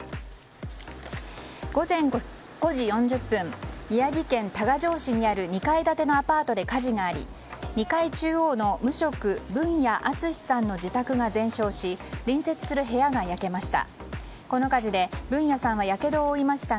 午前５時４０分宮城県多賀城市にある２階建てのアパートで火事があり２階中央のブンヤ・アツシさんの部屋が全焼し隣接する部屋が焼けました。